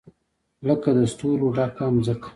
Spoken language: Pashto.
لکه د ستورو ډکه مځکه